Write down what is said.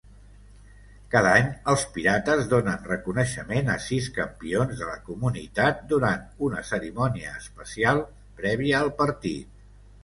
Cada any, els Pirates donen reconeixement a sis campions de la comunitat durant una cerimònia especial prèvia al partit.